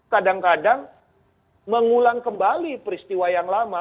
kadang kadang mengulang kembali peristiwa yang lama